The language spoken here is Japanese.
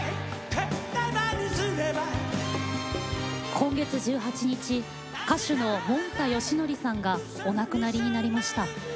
今月１８日歌手の、もんたよしのりさんがお亡くなりになりました。